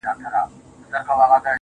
د شعر د میني ماتولو په پار